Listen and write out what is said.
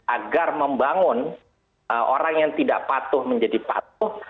agar membangun orang yang tidak patuh menjadi patuh